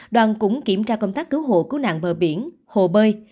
đoàn cũng kiểm tra công tác đứa hồ cứu nạn bờ biển hồ bơi